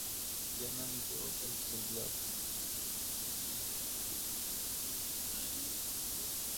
• جانان مي په اوربل کي سور ګلاب ټمبلی نه دی..